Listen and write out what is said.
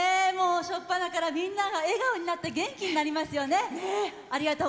しょっぱなからみんなが笑顔になって元気になりますよね。